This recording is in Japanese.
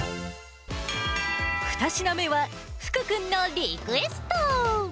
２品目は、福君のリクエスト。